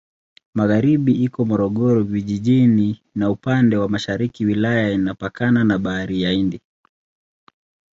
Magharibi iko Morogoro Vijijini na upande wa mashariki wilaya inapakana na Bahari ya Hindi.